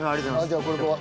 じゃあこれあるから。